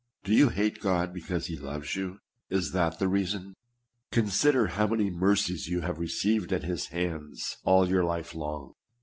Do you hate God because he loves you ? Is that the reason? Consider how many mercies you have received at his hands all your life long